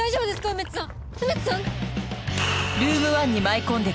梅津さん！？